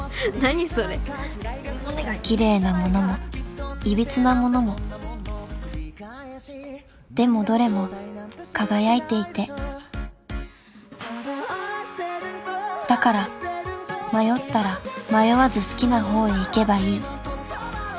キレイなものも歪なものもでもどれも輝いていてだから迷ったら迷わず好きな方へ行けばいい